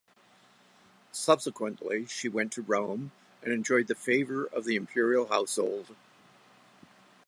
Subsequently she went to Rome and enjoyed the favor of the imperial household.